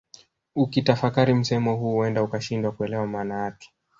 Ukitafakari msemo huu huenda ukashindwa kuelewa maana yake